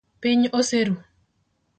Piny oseru.